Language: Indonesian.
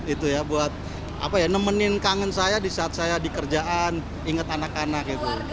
itu ya buat apa ya nemenin kangen saya di saat saya di kerjaan inget anak anak gitu